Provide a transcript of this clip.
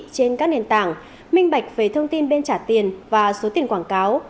trên các nền tảng minh bạch về thông tin bên trả tiền và số tiền quảng cáo